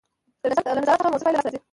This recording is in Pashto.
له نظارت څخه مؤثره پایله لاسته راځي.